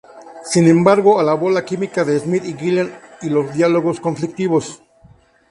Sin embargo, alabó la química de Smith y Gillan y los "diálogos conflictivos".